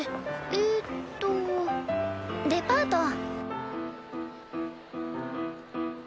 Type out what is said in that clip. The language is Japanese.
えっとデパート。